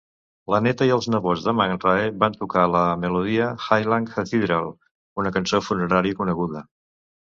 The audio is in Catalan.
La neta i els nebots de McRae van tocar la melodia de Highland Cathedral, una cançó funerària coneguda.